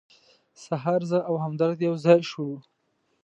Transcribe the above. سهار زه او همدرد یو ځای شولو.